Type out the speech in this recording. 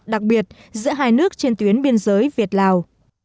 đặc biệt giữa hai nước trên tuyến biên giới việt lào